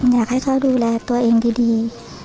อยากให้เขาดูแลตัวเองดี